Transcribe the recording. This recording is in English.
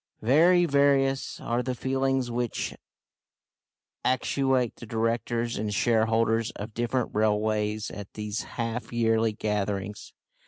Very various are the feelings which actuate the directors and shareholders of different railways at these half yearly gatherings.